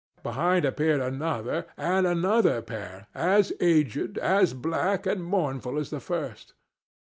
Behind appeared another and another pair, as aged, as black and mournful as the first.